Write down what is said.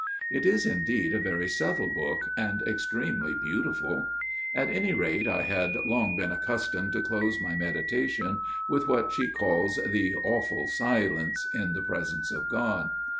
It is indeed a very subtle book, and extremely beautiful. At any rate I had long been accustomed to close my meditation with what she calls the "awful silence " in the Presence of God.